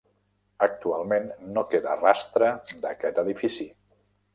Actualment no queda rastre d'aquest edifici.